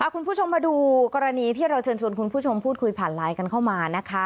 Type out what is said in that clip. คุณผู้ชมมาดูกรณีที่เราเชิญชวนคุณผู้ชมพูดคุยผ่านไลน์กันเข้ามานะคะ